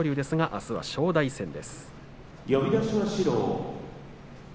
あすは正代戦です。